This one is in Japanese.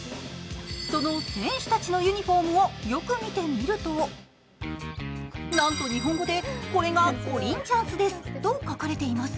その選手たちのユニフォームをよく見てみるとなんと日本語で「これがコリンチャンスです」と書かれています。